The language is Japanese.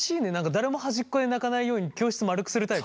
誰も端っこで泣かないように教室丸くするタイプ？